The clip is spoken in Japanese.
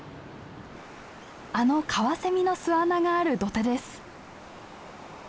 あのカワセミの巣穴がある土手です。